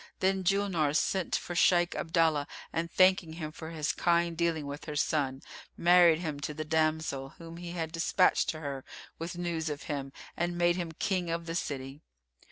Then Julnar sent for Shaykh Abdallah and thanking him for his kind dealing with her son, married him to the damsel, whom he had despatched to her with news of him, and made him King of the city.